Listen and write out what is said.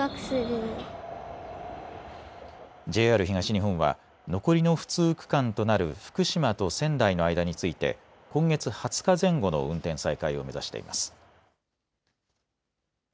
ＪＲ東日本は残りの不通区間となる福島と仙台の間について今月２０日前後の運転再開を目指しています。